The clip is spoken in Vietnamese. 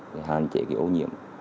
để hạn chế ô nhiễm